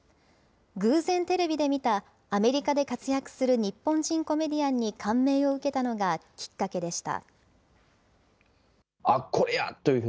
偶然テレビで見た、アメリカで活躍する日本人コメディアンに感銘を受けたのがきっかけでした。